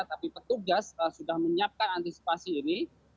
tapi petugas sudah menyiapkan antisipasi ini